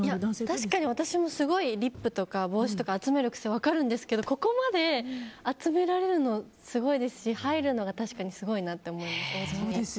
確かに私も、リップとか帽子を集める癖、分かるんですけどここまで集められるのすごいですし、おうちに入るのが確かにすごいなと思います。